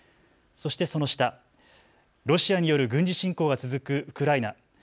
そしてその下、ロシアによる軍事侵攻が続くウクライナ。